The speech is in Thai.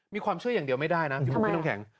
มีความเชื่ออย่างเดียวไม่ได้นะพี่บุ๊คพี่น้ำแข็ง